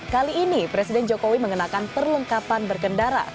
kali ini presiden jokowi mengenakan perlengkapan berkendara